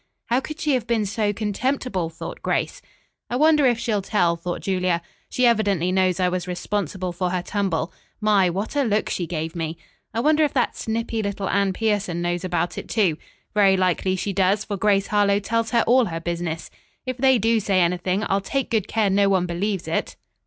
"How could she have been so contemptible?" thought Grace. "I wonder if she'll tell," thought Julia. "She evidently knows I was responsible for her tumble. My, what a look she gave me. I wonder if that snippy little Anne Pierson knows about it, too. Very likely she does, for Grace Harlowe tells her all her business. If they do say anything I'll take good care no one believes it."